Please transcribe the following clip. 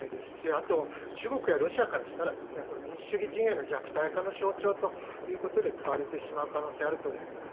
あと中国やロシアからしたら、これ、民主主義陣営の弱体化の象徴ということで使われてしまう可能性あると思うんですね。